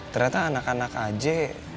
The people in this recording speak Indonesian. ternyata anak anak aja